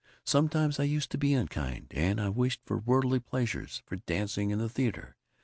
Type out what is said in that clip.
Sometimes I used to be unkind, and I wished for worldly pleasures, for dancing and the theater.